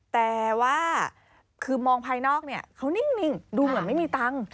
แต่ว่าคือมองภายนอกเนี่ยเขานิ่งดูเหมือนไม่มีตังค์